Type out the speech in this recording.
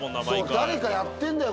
そう誰かやってんだよ